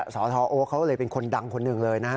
สทโอ๊เขาเลยเป็นคนดังคนหนึ่งเลยนะฮะ